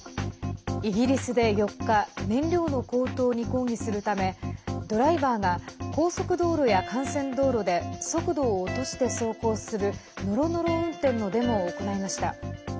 イギリスで４日燃料の高騰に抗議するためドライバーが高速道路や幹線道路で速度を落として走行するノロノロ運転のデモを行いました。